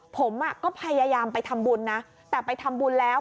ผมก็พยายามไปทำบุญนะแต่ไปทำบุญแล้ว